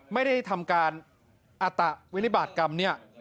ไม่ได้ทำการอตะวิริบาตกรรมเนี่ย